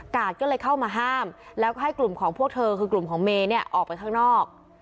ก็เลยเข้ามาห้ามแล้วก็ให้กลุ่มของพวกเธอคือกลุ่มของเมย์เนี่ยออกไปข้างนอก